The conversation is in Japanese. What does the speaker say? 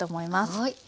はい。